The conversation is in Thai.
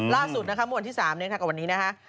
ล่าสุดนะคะมุมวันที่๓เนี่ยถ้ากับวันนี้นะคะ